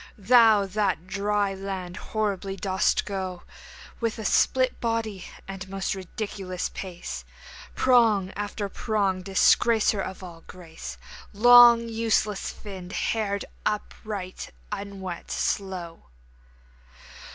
Thou that on dry land horribly dost go With a split body and most ridiculous pace, Prong after prong, disgracer of all grace, Long useless finned, haired, upright, unwet, slow!